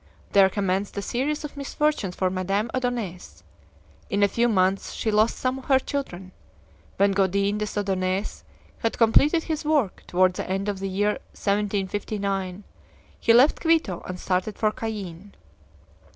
There commenced a series of misfortunes for Madame Odonais; in a few months she lost some of her children. When Godin des Odonais had completed his work, toward the end of the year 1759, he left Quito and started for Cayenne.